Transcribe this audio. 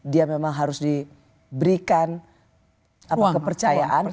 dia memang harus diberikan kepercayaan